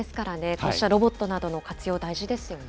こうしたロボットなどの活用、大事ですよね。